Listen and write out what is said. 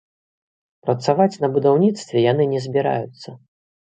Працаваць на будаўніцтве яны не збіраюцца.